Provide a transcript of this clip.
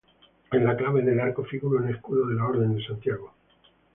En la clave del arco figura un escudo de la Orden de Santiago.